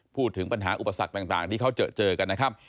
พูดถึงปัญหาอุปสรรคต่างที่เขาเจอกันนะครับ